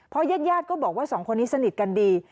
ญาติญาติก็บอกว่าสองคนนี้สนิทกันดี